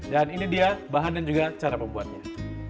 dan ini dia bahan dan juga cara pembuatnya